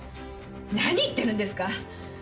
何言ってるんですか！？